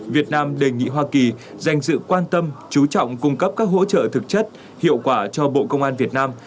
việt nam đề nghị hoa kỳ dành sự quan tâm chú trọng cung cấp các hỗ trợ thực chất hiệu quả cho bộ công an việt nam